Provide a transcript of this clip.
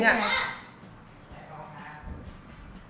แม่มากินข้าว